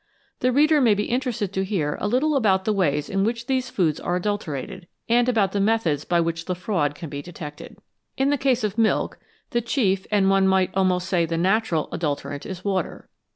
The reader may be interested to hear a little about the ways in which these foods are adulterated, and about the methods by which the fraud can be detected. In the case of milk the chief, and one might almost say the natural, adulterant is water.